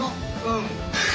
うん。